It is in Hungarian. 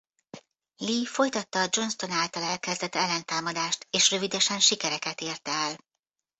Lee folytatta a Johnston által elkezdett ellentámadást és rövidesen sikereket ért el.